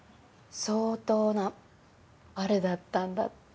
相当なワルだったんだって。